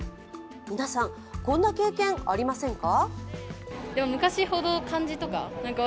皆さん、こんな経験ありませんか？